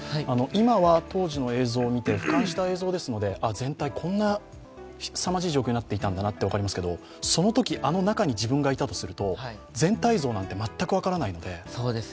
今は当時の映像を見て、俯瞰した映像ですので全体、こんなすさまじい状況になっていたんだなと分かりますがそのとき、あの中に自分がいたとすると、全体像なんて全く分からないんで。